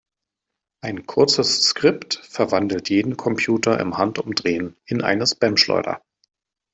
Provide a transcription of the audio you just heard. Ein kurzes Skript verwandelt jeden Computer im Handumdrehen in eine Spamschleuder.